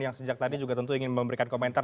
yang sejak tadi juga tentu ingin memberikan komentar